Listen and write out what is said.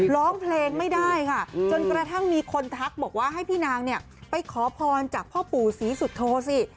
ร้องเพลงไม่ได้ค่ะจนกระทั่งมีคนทักบอกว่าให้พี่นางเนี่ยไปขอพรจากพ่อปู่ศรีสุโธสิ